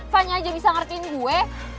fani aja bisa ngertiin gue